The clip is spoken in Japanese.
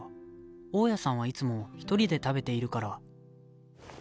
大家さんはいつもひとりで食べているから。